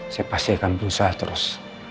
saya pasti akan berusaha terus